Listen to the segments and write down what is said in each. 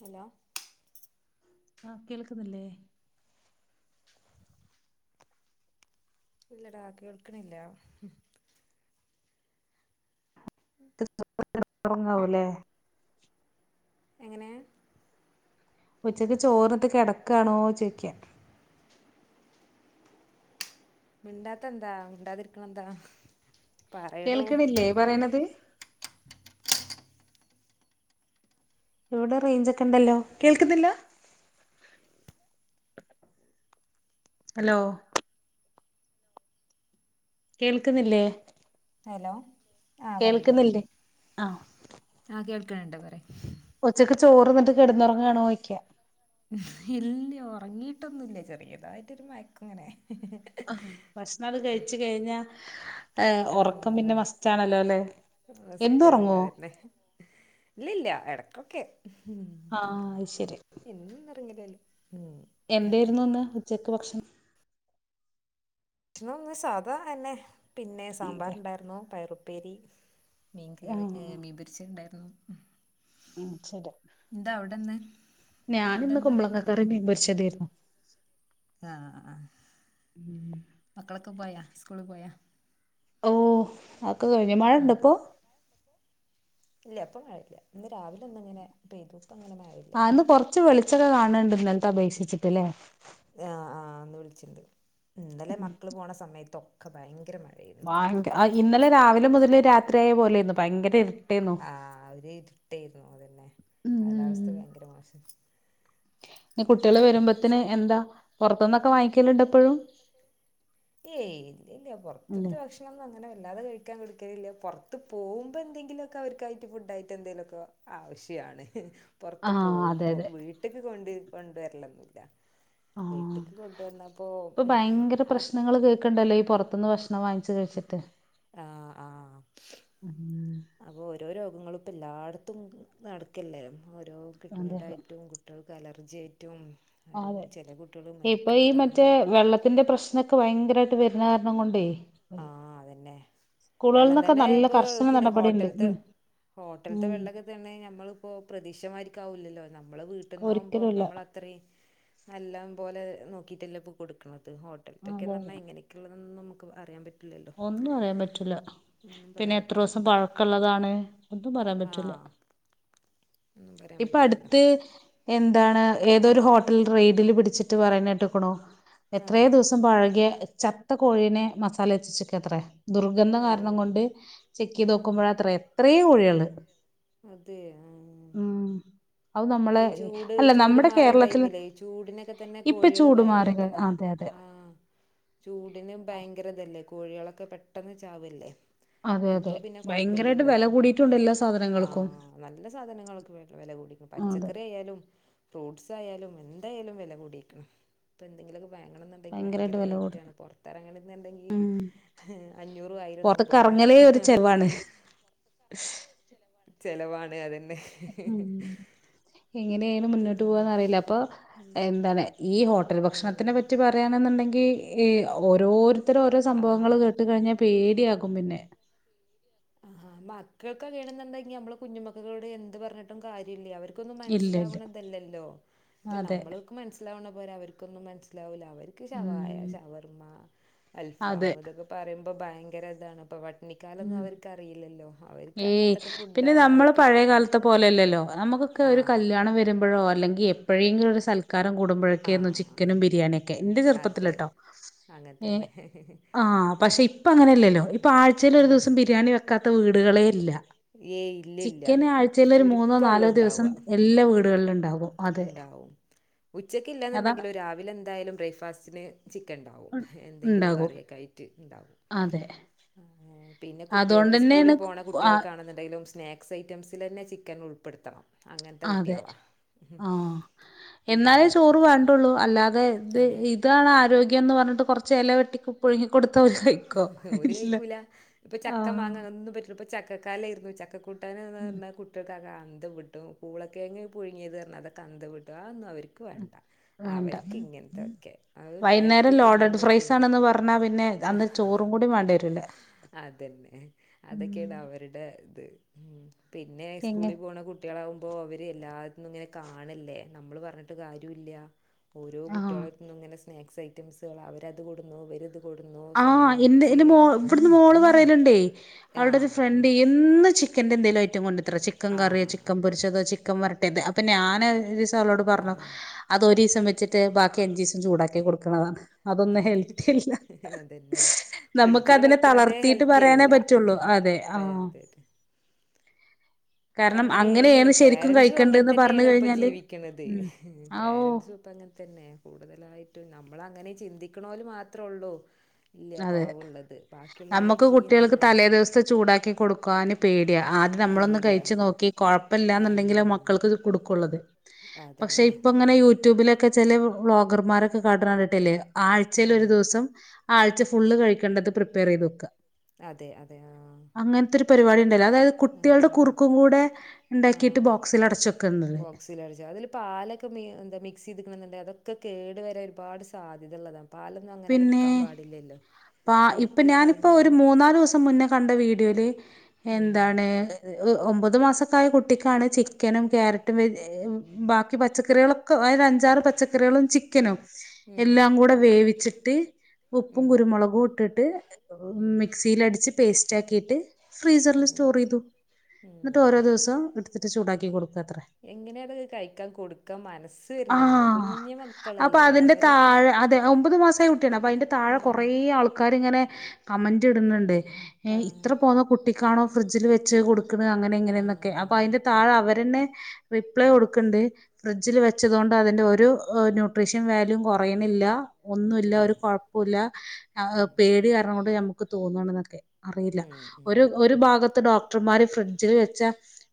Hello ആഹ് കേൾക്കുന്നില്ലേ. ഇല്ലടാ കേൾക്കണില്ല. [unintelligible] ഒറങ്ങാവുല്ലേ. എങ്ങനെ. ഉച്ചക്ക് ചോറിന്ന് കിടക്കാണോ ചോയ്ക്ക. മിണ്ടാത്ത എന്താ മിണ്ടാതിരിക്കണ എന്താ. പറയടോ കേൾക്കണില്ലേ പറയണത്. ഇവിടെ റേഞ്ച് ഒക്കെ ഉണ്ടല്ലോ കേൾക്കുന്നില്ല. ഹലോ കേൾക്കുന്നില്ലേ. ഹലോ ആഹ് പറയ് പറയ് കേൾക്കുന്നില്ലേ ആഹ് ആഹ് കേൾക്കണണ്ട് പറയ്. ഒച്ചക്ക് ചോറ്ന്നിട്ട് കിടന്നുറങ്ങാണോയിക്ക. ഇല്ല ഉറങ്ങീട്ടൊന്നുല്ല ചെറിയതായിട്ടൊരു മയക്കങ്ങനെ. ആഹ് ഭക്ഷണക്ക കഴിച് കഴിഞ്ഞാ. ഏഹ് ഉറക്കം ആഹ് പിന്നെ മസ്റ്റ്ണല്ലോ അല്ലെ എന്നും ഒറങ്ങോ? ഇല്ലല്ല എടക്കൊക്കെ. ആഹ് അത് ശരി എന്നൊന്നും ഉറങ്ങലില്ല ഉം എന്തായിരുന്നു ഇന്ന് ഉച്ചക്ക് ഭക്ഷണം. ഭക്ഷണന്ന് സാധാ എന്നെ പിന്നെ അതെ സാമ്പാറ്ണ്ടായിരുന്നു പയറുപ്പേരി. മീൻ കറി ആഹ് മീ പൊരിച്ചിതുണ്ടായിരുന്നു. ഉം ശരി ഫുഡ് ഞാനിന്ന് എന്താ കുമ്പളകക്കറി മീൻ പൊരിച്ചതരുന്നു. ആഹ് ഉം മക്കളൊക്കെ പോയാ സ്കൂളി പോയാ. ഓഹ് അഹൊക്കെ കഴിഞ് മഴ ഉണ്ടപ്പോ. ഇല്ല ഇപ്പ മഴയില്ല ഇന്ന് രാവിലെ ഒന്നു ഇങ്ങനെ പെയ്തു ഇപ്പ അങ്ങനെ മഴയില്ല. റച്ച് വെളിച്ചൊക്കെ കാണുന്നുണ്ട്ന്നലത്തെ അപേക്ഷിച്ചിട്ടില്ലേ. ആഹ് ആഹ് ഇന്ന് വിളിച്ചിണ്ട്‌ ഇന്നലെ മക്കള് പോണ സമയത്തൊക്കെ ഭയങ്കര മഴ ഭയങ്കര ഇന്നലെ രാവിലെ മുതല് രാത്രിയായ പോലെന്ന് ഭയങ്കര ഇരുട്ട് ആഹ് ഒരു ഇരുട്ടയിരുന്നു അതന്നെ കാലാവസ്ഥ ഭയങ്കര മോശ. ഇനി കുട്ടികള് വരുമ്പോത്തന് എന്താ പുറത്ത്ന്നൊക്കെ വാങ്ങിക്കലുണ്ടോ ഇപ്പഴും. ഏയ് ഇല്ല ഇല്ല ഇല്ലേ പുറത്തത്തെ ഭക്ഷണ പക്ഷെന്നും അങ്ങനെ വല്ലതെ കഴിക്കാൻ കൊടുക്കലില്ല പുറത്ത് പോവുമ്പോ എന്തെങ്കിലൊക്കെ അവർക്കായിട്ട് ഫുഡ് ആയിട്ട് എന്തെലൊക്കെ ആവശ്യാണ് ആ പുറത്ത് അതെ പോവുമ്പോ അതെ വീട്ടില് കൊണ്ട് കൊണ്ടുവരലൊന്നില്ല ആഹ് ഇപ്പൊ ഭയങ്കര ആ പ്രശ്നങ്ങൾ കേൾക്കണ്ടല്ലോ ഈ പൊറത്ത് ത്ത്ന്ന് ഭക്ഷണം വാങ്ങിച്ച് കഴിച്ചിട്ട് ആഹ് ആഹ് ഉം അപ്പൊ ഓരോ രോഗങ്ങളും ഇപ്പ എല്ലായിടത്തും നടക്കല്ലേ ഓരോ അതെ അതെ കിഡ്നീടായിട്ടും കുട്ട്യാൾക്ക് അലർജി ആയിട്ടും ഒരു അതെ ചില കുട്ടികൾ ഇപ്പ ഈ മരിക്കണതാ മറ്റേ അങ്ങനെ വെള്ളത്തിന്റെ പ്രശ് അതൊക്കെ ഭയങ്കരവായിട്ട് വരുന്ന കാരണം കൊണ്ടേ ആഹ് അതന്നെ വെള്ളം സ്കൂളുകളിൽന്നൊക്കെ തന്നെ നല്ല ഇപ്പൊ കർശന പിന്നെ നടപടി ഉണ്ട് ഹോട്ടലത്തെ ഉം ഹോട്ടലത്തെ ഉം വെള്ള അന്നെ നമ്മളിപ്പോ പ്രതീക്ഷമായിരിക്കാവൂല്ലല്ലോ നമ്മളെ വീട്ടിനിന്നാകുമ്പോ ഒരിക്കലുംല്ല നമ്മളെ അത്രയും നല്ല പോലെ നോക്കിയിട്ടല്ല ഇപ്പോ കൊടുക്കണത് അതെ ഹോട്ടലത്തൊക്കെന്ന് അതെ. പറഞ്ഞാൽ എങ്ങനെയൊക്കെയുള്ളത നമുക്ക് അറിയാൻ പറ്റ് ഒന്നും അറിയൻ പറ്റില്ല ഒന്നും പിന്നെ പറയാൻ എത്ര പറ്റില്ല ദിവസം പഴക്കം ഉള്ളതാണ് ഒന്നും പറയാൻ പറ്റൂല ആഹ് ഒന്നും പറയാൻ ഇപ്പൊ പറ്റൂലല്ലോ അടുത്ത് എന്താണ് ഏതൊരു ഹോട്ടൽ റെയ്ഡിൽ പിടിച്ചിട്ട് പറയണെ കേട്ടുക്കുണു ആഹ് എത്രയേ ദിവസം തും പഴകിയ ചത്ത കോഴീനെ മസാല തേച്ച് അത്ര ദുർഗന്ധം അയ്യോ കാരണം കൊണ്ടെ ചെക്ക് ചെയ്ത് നോക്കുമ്പഴ അത്ര എത്രയെ ഊഴ അതെയോ ആഹ് ഉം ആഹ് അത് ഇപ്പെ നമ്മളെ ഈ ചൂട് അല്ല ചൂട് നമ്മുടെ മാറിയ കേരളത്തില് ടൈമിലെ ചൂടിനൊക്കെ തന്നെ ഇപ്പൊ കോഴികൾ ചൂട് മാറി പെട്ടെന്ന് അതെ അതെ ആഹ് ആ ചൂടിനും ഭയങ്കര ഇതല്ലേ കോഴികളൊക്കെ പെട്ടെന്ന് ചാവില്ലേ അതെ ഇപ്പൊ അതെ പിന്നെ ഭയങ്കരായിട്ട് കൊഴപ്പില്ലല്ലോ വെല കൂടിയിട്ടുണ്ട് എല്ലാ സാധനങ്ങൾക്കും ആഹ് നല്ല സാധനങ്ങൾക്ക് വെല കൂടിനു അതെ പച്ചക്കറി എയാലും ഫ്രൂട്ട്സ് ആയിലും എന്തായാലും വെല കൂടിയിരിക്കുന്നു പിന്നെ എന്തെങ്കിലും വങ്ങാണനുണ്ടെങ്കി ഭയങ്കരായിട്ട് ഭയങ്കര വെല കൂടും റേറ്റാണ് പെറത്തെറങ്ങിണ്ടെങ്കി അഞ്ഞൂറും ആയിരൊന്നും പൊറത്ത്ക്ക് പോരാ ശ് ചെലവാണ് അതന്നെ എങ്ങനെയെലും മുന്നോട്ട് പിന്നെ പോകന്നറിയില്ല അപ്പൊ എന്താണ് ഈ ഹോട്ടൽ ഭക്ഷണത്തിനെ ആഹ് പറ്റി പറ പറയാണെന്നുണ്ടെങ്കി ഓരോരുത്തര ഓരോ സംഭവങ്ങൾ ആഹ് കേട്ട് കഴിഞ്ഞാൽ പേടിയാകും പിന്നെ ആഹാ മക്കൾക്കെ വേണെന്നുണ്ടെങ്കി നമ്മള് കുഞ്ഞുമക്കളോട് എന്ത് പറഞ്ഞിട്ടും കാര്യയില്ല്യ അവര് ക്ക് ഒന്നും ഇല്ല ഇല്ല മനസ്സിലാവണല്ലല്ലോ ഇപ്പൊ അതെ നമ്മൾക്ക് മനസ്സിലാവണ പോലെ അവർക്കൊന്നും മനസ്സിലാവില്ല അവർക്ക് ശവായ ഉം ഷവർമ്മ അതെ അൽഫാം ഇതൊക്കെ പറയുമ്പോ ഭയങ്കര ഇതാണ് ഇപ്പെ ഇണ്ണിക്കാലൊന്നും ഉം അവര് ഏയ് പിന്നെ ഫുഡാണ് നമ്മള് പഴയ അവർക്കിഷ്ടം കാലത്തെ പോലെയല്ലല്ലോ നമുക്കൊക്കെ ഒരു ആഹ് കല്യാണം വരു എപ്പോഴോ അല്ലെങ്കി എപ്പഴെങ്കിലും ഒരു സ്ഥലത്ത് കാരം കൂടുമ്പോഴൊക്കെയെന്നും ആഹ് ചിക്കനും ബിരിയാണിയൊക്കെ എന്റെ അതെ ചെറുപ്പത്തിലെട്ടോ ഏഹ് അങ്ങൻതന്നെ ആഹ് പക്ഷെ ഇപ്പ അങ്ങനെയല്ലല്ലോ ഇപ്പൊ ആഴ് ഇതിലെ ഒരു ആഹ് ദിവസം ബിരിയാണി വെക്കാത്ത വീടുകളേയില്ല ഏയ് ഇല്ലില്ല ചിക്കന് ആഴ്ചയിൽ ഒരു മൂന്നോ നാലോ ചുരുക്കൊള്ളൂ ദിവസം എല്ലാ വീടുകളിലും ഒണ്ടാവും ഉണ്ടാവും ഉച്ചക്ക് ഇല്ല അതാ എന്നുണ്ടെങ്കിലോ രാവിലെ എന്തായാലും ബ്രേക്ക്ഫാസ്റ്റിന് ചിക്കൻ ഉണ്ടാവും ഉ- എന്തെങ്കിലും ഉണ്ടാകും കറിയൊക്കെ ആയി റ്റ് ഇണ്ടാവും അതെ ആഹ് പിന്നെ അതുകൊണ്ട് കുട്ടികൾക്ക് സ്കൂളിൽ തന്നെയാണ് പോണ ആഹ് കുട്ടികൾക്കാണെന്നുണ്ടെങ്കിലും സ്നാക് [unintelligible] ഐറ്റംസിൽ തന്നെ ചിക്കൻ ഉൾപ്പെടുത്തണം അങ്ങനത്തെ അതെ കുട്ടികളാ ആഹ് എന്നാലേ പിന്നെ ചോറ് വേണ്ടുള്ളൂ അല്ലാതെ ഇത് അതെ ഇ ഇതാണ് ആരോഗ്യം എന്ന് പറഞ്ഞിട്ട് കെറച്ച് എല വെട്ടിക്കു പുഴുങ്ങി കൊടുത്താ [unintelligible] ഒരു കഴിക്കൂല ഇപ്പൊ ചക്ക, മാങ്ങാ, ആഹ് ഒന്നും പറ്റുലാ ചക്ക കലായായിരുന്നു. ചക്ക കൂട്ടാനൻ എന്ന് പറഞ്ഞ കു കുട്ടകൾക്ക് അങ്ങ് അന്തംവിട്ട് പുളകിഴങ്ങ് പുഴുങ്ങിയത് പറഞ്ഞ അതൊക്കെ അന്തംവിട്ട് അതൊന്ന് അവരി ക്ക് വേണ്ട വേണ്ട അവർക്ക് ഇങ്ങനത്തൊക്കെ, വൈകുന്നേരം ഹെൽത്തി ഫുഡ് ലോഡഡ് ഒന്നു ഫ്രൈസ് വേണ്ട. ആണെന്ന് പറഞ്ഞാ പിന്നെ അന്ന് ചോറും കൂടി വേണ്ടി വരൂല്ല. അതന്നെ അതൊക്കെയാണ് അവരുടെ ഇത് പിന്നെ എങ്ങെ സ്കൂളിൽ പോണ കുട്ട കുട്ടികളാവുമ്പോ അവര് എല്ലാന്നും ഇങ്ങനെ കാണല്ലേ, നമ്മള് പറഞ്ഞിട്ട് കാര്യം ഇല്ല. ഓരോ ആഹ് കുട്ടികളടുത്ത് നിന്നും ഇങ്ങനെ സ്നാക്സ് ഐറ്റംസുകൾ, അവരത് കൊടുന്നു, അവരത് കൊടുന്നു. ആഹ് സാൻഡ്വിച്ച് എന്റെ മോള് ഇവിടുന്ന് മോള് പറയലുണ്ടേ അവളുടെ ഒരു ആഹ് ഫ്രണ്ട് എന്നും ചിക്കൻന്റെ എന്തേങ്കലും ഐറ്റം കൊണ്ടിത്ര ചിക്കൻ കറിയോ, ആഹ് ചിക്കൻ പൊരിച്ചതോ ചിക്കൻ വരട്ടത് അപ്പൊ ഞാൻ ഒരുസം അവളോട് പറഞ്ഞു. ആഹ് അത് ഒരു ദിവസം വെച്ചിട്ട് ബാക്കി അഞ്ചു ദിവസം ചൂടാക്കി കൊടുക്കണതാണ്. അതൊന്നും ഹെൽത്തി അല്ല. പിന്നെ നമുക്ക് ഫ്രിഡ്ജിൽ അതിനെ വെക്കണതേ തളർത്തിയിട്ട് പറയാനേ ഹെൽത്തിയല്ല. പറ്റുള്ളൂ അതെ ആഹ് പറയാതെ ഇപ്പൊ കാരണം അങ്ങനെയാണ്, ശരിക്കും പേരന്റസും അങ്ങനെ കഴിക്കേണ്ടന്ന് പറഞ്ഞു തന്നെയാണ് ഇപ്പൊ കഴിഞ്ഞാല് ജീവിക്കണുന്നത്. ഉം ആഹ് ഓ പാരൻസും, ഇപ്പ അങ്ങനെ തന്നെ കൂടുതലായിട്ടും. നമ്മൾ അങ്ങനെ ചിന്തിക്കണല് മാത്രേ ഉള്ളൂ. ഇല്ല അതെ കുറവുള്ളത് നമ്മുക്ക് ബാക്കിയുള്ളവലൊക്കെയും കുട്ടികൾക്ക് തന്നെ തലേ ദിവസത്തെ ചൂടാക്കി കൊടുക്കുന് പേടിയാ, ആദ്യം നമ്മളൊന്ന് പേടിയാ കഴിച്ചു നോക്കി കുഴപ്പമില്ലാന്നുണ്ടെങ്കില്ലേ ആഹ് മക്കൾക്ക് അത് കൊടുക്കുള്ളത്. പക്ഷെ അതന്നെ ഇപ്പൊ ഇങ്ങനെ യൂട്യൂബില് ചെല വ്ലോഗർമാരൊക്കെ കാട്ടണ കണ്ടിട്ടല്ലേ ആഴ്ചൽ ഒരു ദിവസം. ആഴ്ച ഫുള് കഴിക്കേണ്ടത് പ്രിപ്പയർ ചെയ്ത് വയ്ക്കുക. വെക്കും അതെ അതെ ആഹ അങ്ങനത്തെ പരിപാടി ഉണ്ടായില്ലോ?. അതായത് കുട്ടികളുടെ കുറുക്കും കൂടെ ഉണ്ടാക്കിയിട്ട് ബോക്സിൽ അടച്ചു വെക്കുന്നുള്ളത്. വെക്കും അതിൽ പാലൊക്കെ എന്താ മിക്സ് ചെയ്ത്ക്കണണ്ടെൽ അതൊക്കെ കേടു വരാൻ ഒരുപാട് സാധ്യത ഉള്ളതാണ്. പാല പിന്നെ ആ ഇപ്പൊ കുറുക്ക് ഞാനിപ്പോ ഒരു കാര്യങ്ങളിലൊന്നും മൂന്നാല് ദിവസം മുന്നേ കണ്ട വീഡിയോയിൽ ഉം എന്താണ് ഒമ്പത് മാസായ കുട്ടിക്കാണ് ചിക്കനും ക്യാരറ്റും വെജ ബാക്കി പച്ചക്കറികളൊക്കെ അ അഞ്ചാറ് പച്ചക്കറികളും. ചിക്ക നു എല്ലാം കൂടെ വേവിച്ചിട്ട്, ഉം ഉപ്പും, ഉം കുരുമുളകും, ഇട്ടിട്ട്. മിക്സിലടിച്ച് പേസ്റ്റ് ആക്കിട്ട് ഫ്രീസറിൽ ഉം സ്റ്റോർ ഉം ചെയ്തു എന്നിട്ട് ഉം ഓരോ ദിവസം എടുത്തിട്ട് ചൂടാക്കി കൊടുക്കുക അത്രേ. എങ്ങനെയാ അത് കഴിക്കാൻ കൊടുക്കാൻ മനസ്സ് വരുന്നെന്നാ, ആഹ് കുഞ്ഞു അപ്പൊ മക്കളല്ലേ അതിന്റെ അവരുടെ താഴെ അതെ ഒമ്പത് മാസ ആയ കുട്ടിയാണ്, അപ്പൊ അതിന്റെ താഴെ കൊറെ ആൾക്കാർ ഇങ്ങനെ കമന്റ് ഇടുന്നുണ്ട്. ഏ ആൾക്കാരിങ്ങനെ ആഹ് ഇത്ര പോന്ന കുട്ടിക്കാണോ ഫ്രിഡ്ജിൽ വെച്ച് കൊടുക്കുന്നത് അങ്ങനെ ഇങ്ങനെയന്നൊക്കെ അപ്പൊ ആഹ് അതിൻ്റെ താഴെ അവരന്നെ റിപ്ലൈ ഉം കൊടുക്കണ്ട്. ഫ്രിഡ്ജിൽ വെച്ചതൊണ്ട് അതിന്റെ ഒരു ന്യൂട്രീഷ്യൻ വാല്യൂ കുറയണില്ല. ഒ ഇല്ല ഉം ഒരു കുഴപ്പില്ല ഉം പേടി കാരണം കൊണ്ട് ഞമുക്ക് തോന്നാണ് എന്നൊക്കെ അറിയില്ല. ഉം ഉം ഒരു ഉം ഒരു ഭാഗത്ത് ഡോക്ടർമാര് ഫ്രിഡ്ജിൽ വെച്ച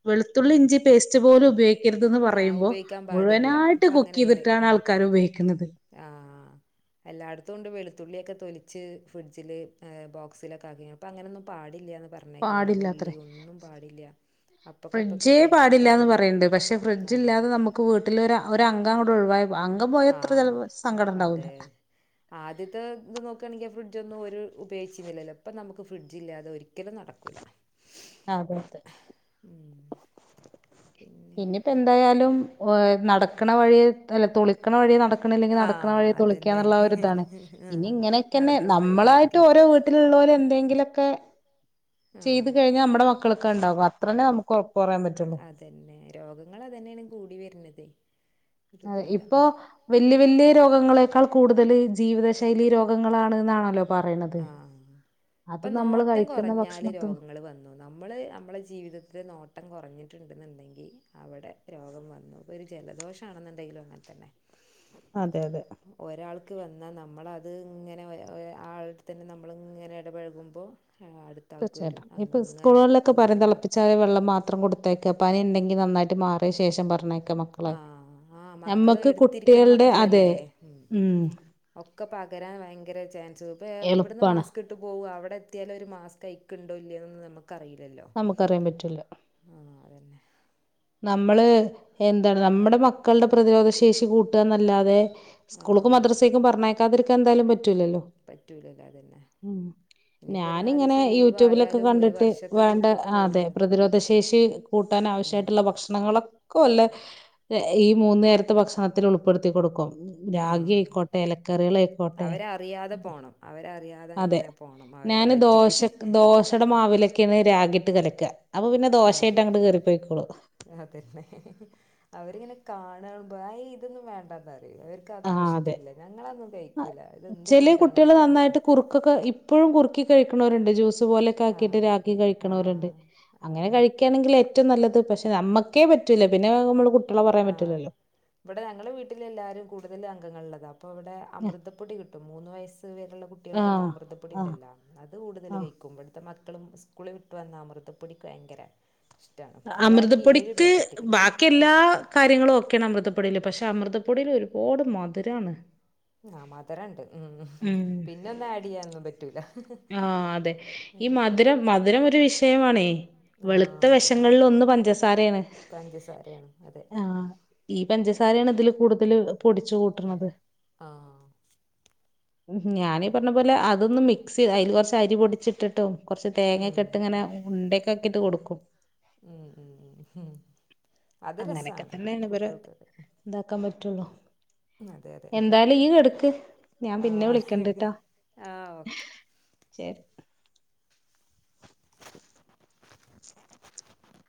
വെളുത്തുള്ളി, ഇഞ്ചി പേസ്റ്റ് പോലും ഉപയോഗിക്കരുതന്ന് ആഹ് പറയുമ്പോൾ?. ഉപയോഗിക്കാൻ പാടില്ല മുഴുവനായിട്ട് ഇപ്പ കുക്ക് അങ്ങനെണ്ട് ചെയ്തിട്ടാണ് ഉം ആൾക്കാര് ഉപയോഗിക്കുന്നത്. ആഹ് എല്ലായിടത്തും ഉണ്ട് വെളുത്തുള്ളിയൊക്കെ തൊലിച്ച് ഫിഡ്ജില് ബോക്സിലൊക്കെ ആക്കി അപ്പോ അങ്ങനൊന്നും പാടില്ലന്ന് പറഞ്ഞ് പറഞ്ഞൊക്കണ്ട് പാടില്ലാത്രേ ഉള്ളിയൊന്നും പാടില്ല. അപ്പക്കെ അപ്പൊക്കെ ഫ്രിഡ്ജേ തോലിക്കാൻ പാടില്ലാന്ന് പാടുള്ളോ പറയണ്ട് പക്ഷെ ആ ഫ്രിഡ്ജ് ഇല്ലാതെ നമുക്ക് വീട്ടിലൊ ഒ അംഗ കൂടെ ഒഴിവായി അംഗം പോയ ഇത്ര ആഹ് സങ്കടം ഉണ്ടാവൂല. അതെ ആദ്യത്തെ ഇത് നോക്കുകയാണെങ്കിൽ, ഫ്രിഡ്ജ ഒന്നും ഒരു ഉപയോഗിച്ചിരുന്നില്ലല്ലോ? ഇപ്പം നമുക്ക് ഫ്രിഡ്ജില്ലാതെ ഒരിക്കലും നടക്കൂല്ല. അതെ അതെ ഉം പിന്നെ പിന്നിപ്പെന്തായാലും ഓയ നടക്കണ വഴിയെ അല്ല തൊളി ക്കണ വഴിയെ നടക്കണ്ല്ലെങ്കിൽ, ആ നടക്ക്ണ വഴിയെ അതന്നെ തൊളിക്കാന്നുള്ള ഒരു താണ്, ആ ഇനി ഇങ്ങനെക്കെ ന്നെ നടക്കണ വഴി തുളിക്ക നമ്മളായിട്ടൊരു വീ ട്ടിലുള്ളാര് എന്തെങ്കിലൊക്കെ ആ ചെയ്ത് കഴിഞ്ഞാ അമ്മടെ മക്കൾക്കാണ്ടാവ അത്രന്നെ നമുക്കൊ ർപ്പയാൻ പറ്റുള്ളൂ. തന്നേ. രോഗങ്ങളതന്നെണ് കൂടി വെര്ന്നതേ. അഹ് ഇപ്പൊ, വെല്ല്യ വെല്യേ രോഗങ്ങളേക്കാൾ കൂടുതല്, ജീവിതശൈലി രോഗങ്ങളാണ് ന്നാണല്ലോ. ആഹ്, പ്പൊ നമ്മൾ നോട്ടം കഴിക്കുന്ന കൊറഞ്ഞാല് ഭക്ഷണത്തിന്ന് രോഗങ്ങ ങ്ങള് വന്നു. നമ്മള് അമ്മളെ ജീവിതത്തില് നോട്ടം കുറഞ്ഞിട്ട്ണ്ട്ന്ന്ണ്ടെങ്കി അവടെ രോഗം വന്നു. ഒരു ജലദോഷാണെന്ന് ണ്ടെങ്കിലും അങ്ങൻ തന്നെ. അതെ അതെ ഒരാൾക്ക് വന്നാ നമ്മളത് ങ്ങനെ ഒ ഒരു ആൾ തന്നെ നമ്മള്ങ്ങനെ എടപഴകുമ്പോ ഞങ്ങ അടുത് തീർച്ചയായിട്ടും. ഇപ്പ സ്കൂളുകളിലൊക്കെ പറയും. മൊത്തം തിളപ്പിച്ചാറിയ വെള്ളം മാത് ത്രം കൊടുത്തയക്ക. പനി ണ്ടെങ്കിൽ നന്നായിട്ട് മാറിയ ശേഷം പറഞ്ഞയക്കാ മ ക്കളെ. ആ ആ മക്കൾ ഞമ്മക്ക് എടുത്തിരിക്കണ കുട്ടികൾടെ അതെ.. മക്കളല്ലേ ഉം.. ഒക്കെ പകരാൻ ഭയങ്കര ചാൻസ് ണ്ട്. ഇപ്പ ഇവിടുന്ന് എളുപ്പാണ് മാസ്ക് ട്ട് പോവും. അവിടെ എത്തിയാൽ ഓര് മാസ്ക് അയിക്ക്ണ്ടോ? ഇല്ല്യേന്നൊന്നും നമ്മക്ക് അറീലല്ലോ നമുക്കറിയാൻ പറ്റൂല്ല ആഹ്, അതന്നെ. നമ്മള്.. എന്താണ് നമ്മടെ മക്കൾടെ പ്രതിരോധ ശേഷി കൂട്ടാന്നല്ലാതെ ആ സ്കൂൾക്കും, മദ്രസേക്കും, പറഞ്ഞേക്കാതിരിക്കാൻ എന്തായാലും പറ്റൂല്ലല്ലോ. പറ്റൂലല്ലോ അതന്നെ ഇനിയിപ്പോൾ ഒരു നാല് ഞാനിങ്ങനെ ദിവസം ലീവ് യൂട്യൂബിലൊക്കെ ആയാലും ഒരു കണ്ടിട്ട്. വർഷത്തെ ഇത് വേണ്ട അതെ പോവില്ലല്ലോ പ്രതിരോധ ശേഷി ഉം. കൂട്ടാനാവശ്യായിട്ട്ള്ള ഭക്ഷണങ്ങളൊക്കൊ ല്ല ഈ മൂന്നു നേരത്തെ ഭക്ഷണത്തിലുൾപ്പെടുത്തി കൊടുക്കും. ആ രാഗിഅയ്ക്കോട്ടെ, എലക്കറികളെ ക്കോട്ടെ അവരറിയാതെ പോണം അവരറിയാതെ അതെ അങ്ങനെ പോണം അവരുടെ ഞാന് വയറ്റിക്ക് ദോശ ദോശടെ മാവിലെ ക്കേണ് രാഗിട്ട് കലക്കാ. അപ്പൊ പിന്നെ ആഹ് ദോശയിട്ട് അങ്ങട്ട് കേറി പൊയ്ക്കോളും അതന്നെ.. അവരിങ്ങനെ കാ ണുംമ്പോ, അയ് ഇതൊന്നും വേണ്ടാന്നറയും. അവ ക്കതൊന്നും ആ ഇഷ്ടല്ല. ഞങ്ങളതൊന്നും കഴിക്കൂല. ഇതെന്ത് ചെലെ കുട്ടികള് ഫുഡ്ഡാണെന്നാറിം നന്നായിട്ട് കുറുക്കൊക്കെ ഇപ്പഴും കുറുക്കി കഴിക്ക്ണോരുണ്ട്. ജ്യൂസ് പോലെക്കെ ആക്കിയിട്ട് ആഹ് രാഗി കഴിക്ക് ണോരുണ്ട്. ആഹ് അങ്ങനെ ആഹ് കഴിക്കാണെങ്കിലെറ്റവും നല്ലത്. പക്ഷെ നമ്മുക്കേ പറ്റൂല്ല. പിന്നെ നമ്മള് കുട്ട്യളെ പറയാൻ പറ്റൂല്ലല്ലോ. വടെ ഞങ്ങളെ വീട്ടിൽ എല്ലാരും കൂടുതൽ അംഗങ്ങൾള്ളതാ. പ്പവടെ അമൃതപ്പൊടി കിട്ടും. മൂന്ന് വയസ്സ് വരെ ള്ള കുട്ടികൾക്കുള്ള ആഹ് ആഹ് അമൃതപ്പൊടിണ്ടല്ലോ. അത് കൂടുതല് ആഹ് കഴിക്കും. വട്ത്തെ മക്കൾ സ്കൂള് വിട്ട് വന്നാ അമൃതപ്പൊടിക്ക് ഭയങ്കര ഇഷ്ടാണ്. ഒരാക്ക് ഏഴ് പാക്കറ്റ് കി ക്കില്ലാ കാര്യങ്ങളും ഓക്കെയാണ് അമൃതപ്പൊടിയില്. പക്ഷെ അമൃതപ്പൊടിലൊരുപാട് മധുരാണ് ഹാ മധുരണ്ട് ഉം ഹ്. ഉം പിന്നെ ഒന്ന് ആഡ് യ്യാനൊന്നും പറ്റൂല ആഹ് അതെ. ഈ മധുരം, മധുരം ഒരു വിഷയമാണേ വെളുത്ത ആഹ് മധുരം വെശങ്ങളിലൊന്ന് പഞ്ചസാരേണ്. പഞ്ചസാരയാണ് അതെ ആഹ്.. ഈ പഞ്ചസാരയാണ് തില് കൂടുതല് പൊടിച്ചു കൂട്ടുന്നത്. ആഹ് ആഹ് ഞാനീ പർഞ്ഞ പോലെ അതൊന്ന് മിക്സ് അയ്ല് കൊർച്ചരി പൊടിച്ചിട്ടിട്ടും കൊർച്ച് ഉം തേങ്ങൊക്കെട്ട് ങ്ങനെ ഉണ്ടക്കെ ആക്കിട്ട് കൊടുക്കും. ഉം ഉം ഉം. ഉംഹ് അത് അങ്ങനെയൊക്കെ രസാണ് തന്നെയാണ് ഇവരെ കുട്ട്യോൾക്കൊക്കെ. ഇതാക്കാൻ പറ്റുള്ളൂ അതെ യതെ. എന്തായാലും യ്യി കെട്ക്ക്. ഞാൻ പിന്നെ വിളിക്കണ്ട് എടുക്ക് ട്ടാ. ആഹ് ഓക്കെ ശരി. [inaudible]